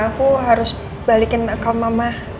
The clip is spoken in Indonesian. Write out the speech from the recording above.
aku harus balikin account mama